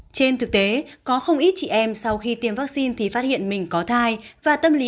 trên thực tế có không ít chị em sau khi tiêm vaccine thì phát hiện mình có thai và tâm lý